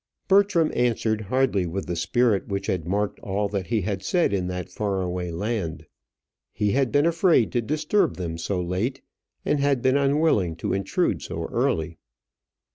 Bertram answered hardly with the spirit which had marked all that he had said in that far away land. "He had been afraid to disturb them so late; and had been unwilling to intrude so early."